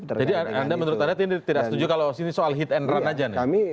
jadi menurut anda tidak setuju kalau ini soal hit and run aja nih